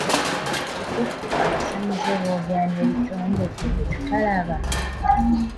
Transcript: Kituufu abasamize boogera n'ebitonde ffe bye tutalaba?